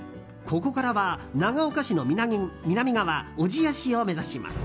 ここからは長岡市の南側小千谷市を目指します。